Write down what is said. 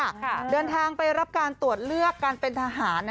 เดินทางไปรับการตรวจเลือกการเป็นทหาร